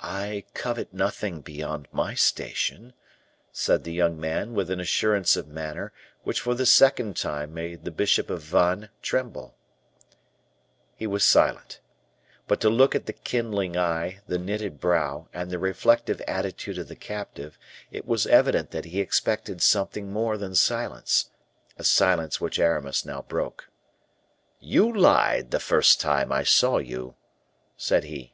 "I covet nothing beyond my station," said the young man, with an assurance of manner which for the second time made the bishop of Vannes tremble. He was silent. But to look at the kindling eye, the knitted brow, and the reflective attitude of the captive, it was evident that he expected something more than silence, a silence which Aramis now broke. "You lied the first time I saw you," said he.